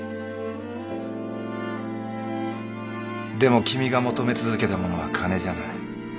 でも君が求め続けたものは金じゃない。